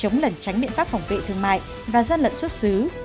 chống lẩn tránh biện pháp phòng vệ thương mại và gian lận xuất xứ